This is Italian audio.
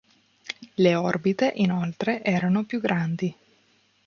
Le orbite, inoltre, erano più grandi.